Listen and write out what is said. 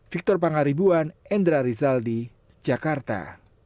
victor pangaribuan endra rizal di jakarta